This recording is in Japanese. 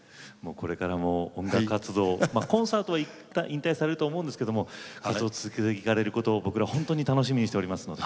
これからも音楽活動コンサートは引退されると思うんですけども活動を続けていかれることを僕ら本当に楽しみにしておりますので。